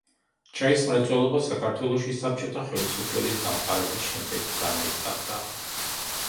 ჩაის მრეწველობა საქართველოში საბჭოთა ხელისუფლების დამყარების შემდეგ განვითარდა.